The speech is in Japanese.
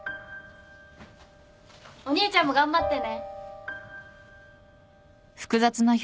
お兄ちゃんも頑張ってね。